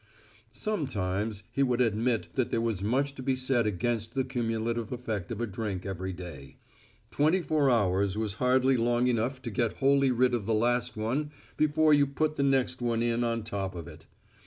Sometimes he would admit that there was much to be said against the cumulative effect of a drink every day. Twenty four hours was hardly long enough to get wholly rid of the last one before you put the next one in on top of it.